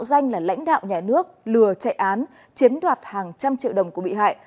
tên là lãnh đạo nhà nước lừa chạy án chiếm đoạt hàng trăm triệu đồng của bị hại